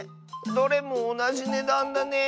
どれもおなじねだんだね。